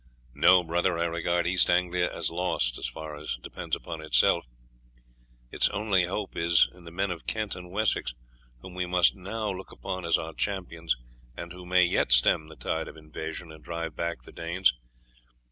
No, brother, I regard East Anglia as lost so far as depends upon itself; its only hope is in the men of Kent and Wessex, whom we must now look upon as our champions, and who may yet stem the tide of invasion and drive back the Danes.